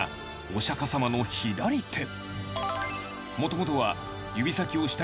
お釈迦様の左手